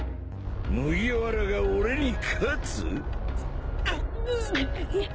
麦わらが俺に勝つ？くっ。